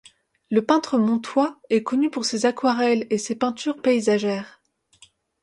Le peintre montois est connu pour ses aquarelles et ses peintures paysagères.